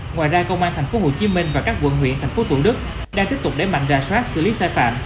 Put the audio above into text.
ngoài ra công an tp hcm và các quận huyện tp tq đang tiếp tục đẩy mạnh rà soát xử lý sai phạm